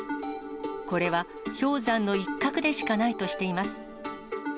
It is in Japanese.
これは氷山の一角でしかないとしています。